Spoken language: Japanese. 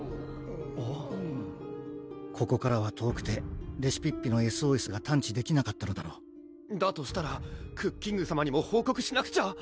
あっここからは遠くてレシピッピのＳＯＳが探知できなかったのだろうだとしたらクッキングさまにも報告しなくちゃ！